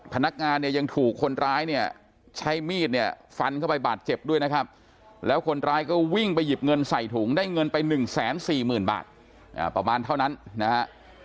พนักงานเนี่ยยังถูกคนร้ายเนี่ยใช้มีดเนี่ยฟันเข้าไปบาดเจ็บด้วยนะครับแล้วคนร้ายก็วิ่งไปหยิบเงินใส่ถุงได้เงินไป๑๔๐๐๐บาทประมาณเท่านั้นนะฮะ